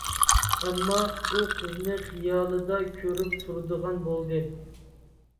ئەمما، ئۇ قىزنى خىيالىدا كۆرۈپ تۇرىدىغان بولدى.